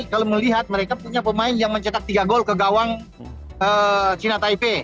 kalau melihat mereka punya pemain yang mencetak tiga gol ke gawang cina taipei